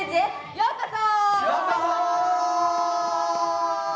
ようこそ！